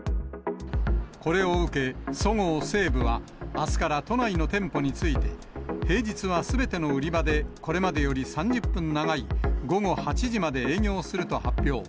これを受け、そごう・西武はあすから都内の店舗について、平日はすべての売り場で、これまでより３０分長い、午後８時まで営業すると発表。